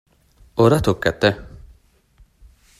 Ora tocca a te!